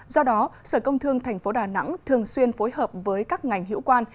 do đó sở công thương tp đà nẵng thường xuyên phối hợp với các ngành hiệu quan